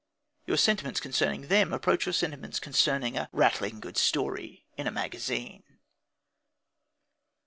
Your sentiments concerning them approach your sentiments concerning a "rattling good story" in a magazine.